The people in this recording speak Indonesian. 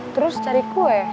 terus cari kue